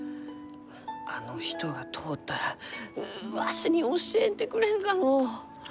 あの人が通ったらううわしに教えてくれんかのう？